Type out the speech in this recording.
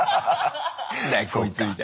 何だよこいつみたいな。